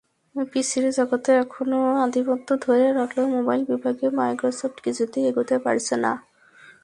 পিসির জগতে এখনো আধিপত্য ধরে রাখলেও মোবাইল বিভাগে মাইক্রোসফট কিছুতেই এগোতে পারছে না।